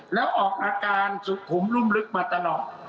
แล้วออกอาการสุขุมรุ่มลึกมาตลอด